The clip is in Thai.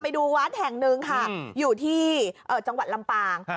ไปดูวัดแห่งหนึ่งค่ะอยู่ที่จังหวัดลำปาง